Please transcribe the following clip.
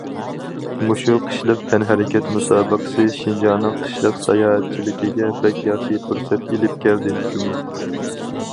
مۇشۇ قىشلىق تەنھەرىكەت مۇسابىقىسى شىنجاڭنىڭ قىشلىق ساياھەتچىلىكىگە بەك ياخشى پۇرسەت ئېلىپ كەلدى جۇمۇ.